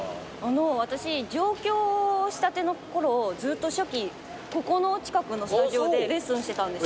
私上京したてのころずっと初期ここの近くのスタジオでレッスンしてたんです。